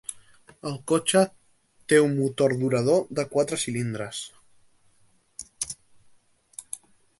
El cotxe té un motor durador de quatre cilindres.